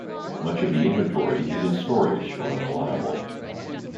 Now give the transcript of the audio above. Much of the inventory is in storage or unreliable.